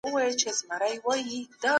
په مال کي د غريبو حق سته دی.